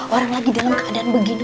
orang lagi dalam keadaan begini